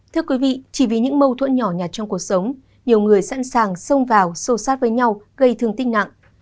thưa quý vị chỉ vì những mâu thuẫn nhỏ nhặt trong cuộc sống nhiều người sẵn sàng xông vào sâu sát với nhau gây thương tích nặng